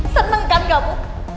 seneng kan kamu